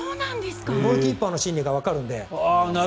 ゴールキーパーの心理がわかるので。